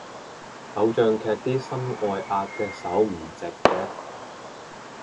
偶像劇啲心外壓隻手唔直嘅